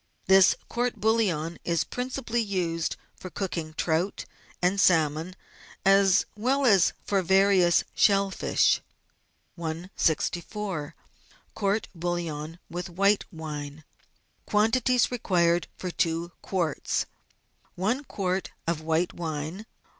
This court bouillon is principally used for cooking trout and salmon, as well as for various shell fish. 164— COURT=BOUiLLON WITH WHITE WINE Quantities Required for Two Qtiarts. I quart of white wine.